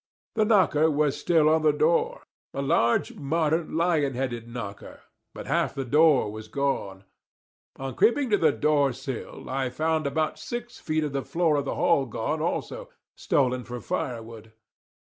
The knocker was still on the door, a large modern lion headed knocker; but half the door was gone; on creeping to the door sill, I found about six feet of the floor of the hall gone also stolen for fire wood.